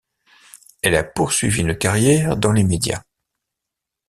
Elle a poursuivi une carrière dans les médias.